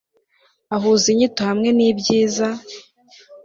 Ahuza inyito hamwe nibyiza